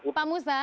oke pak musa